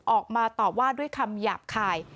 ออกมาตอบว่าด้วยคำหยาบคาย